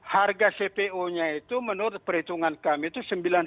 harga cpo nya itu menurut perhitungan kami itu sembilan ratus